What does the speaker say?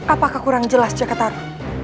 apakah kurang jelas jakarta